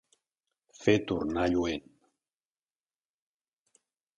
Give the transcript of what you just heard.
Fer tornar lluent.